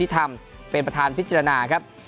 เป็นเรื่องแห่งประธานพิจารณาครับ